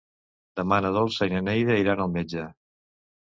Demà na Dolça i na Neida iran al metge.